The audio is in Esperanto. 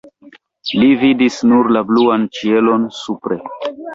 Li vidis nur la bluan ĉielon supre.